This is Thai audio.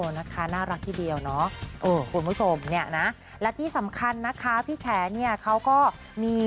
นะคะน่ารักทีเดียวเนาะคุณผู้ชมเนี่ยนะและที่สำคัญนะคะพี่แขเนี่ยเขาก็มี